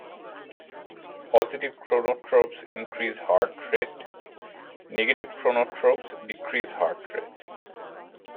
Positive chronotropes increase heart rate; negative chronotropes decrease heart rate.